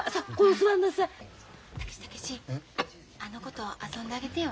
あの子と遊んであげてよ。